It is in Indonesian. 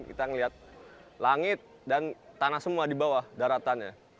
kita melihat langit dan tanah semua di bawah daratannya